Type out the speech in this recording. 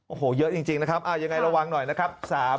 โอ้โหเยอะจริงนะครับยังไงระวังหน่อยนะครับ